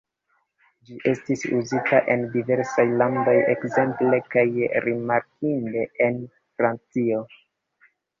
Ĝi estis uzita en diversaj landoj, ekzemple kaj rimarkinde en Francio.